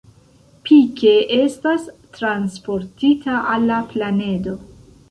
Pike estas transportita al la planedo.